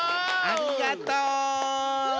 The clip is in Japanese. ありがと。